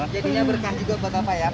jadinya berkah juga buat bapak ya